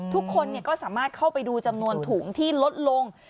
ทุกคนก็สามารถเข้าไปดูจำนวนถุงที่ลดลง